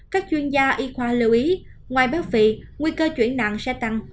các chuyên gia y khoa lưu ý ngoài bác phị nguy cơ chuyển nặng sẽ tăng